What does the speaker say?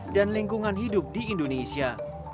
dan lingkungan hidup di indonesia